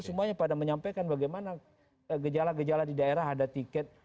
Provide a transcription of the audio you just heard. semuanya pada menyampaikan bagaimana gejala gejala di daerah ada tiket